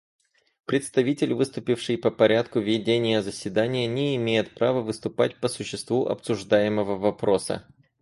Представитель, выступивший по порядку ведения заседания, не имеет права выступать по существу обсуждаемого вопроса.